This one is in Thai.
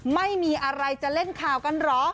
ไม่มีอะไรจะเล่นข่าวกันเหรอ